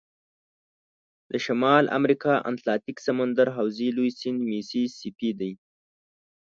د شمال امریکا د اتلانتیک سمندر حوزې لوی سیند میسی سی پي دی.